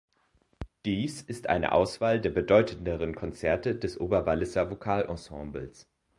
Dies ist eine Auswahl der bedeutenderen Konzerte des Oberwalliser Vokalensembles.